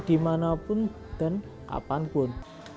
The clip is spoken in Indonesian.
dimanapun dan apapun